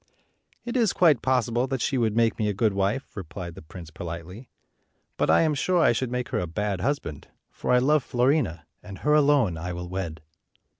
"It is quite possible that she would make me a good wife," replied the prince, politely; "but I am sure I should make her a bad husband, for I love Fiorina, and her alone I will wed."